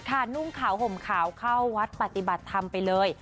นุ่งขาวห่มขาวเข้าวัดปฏิบัติธรรมไปเลย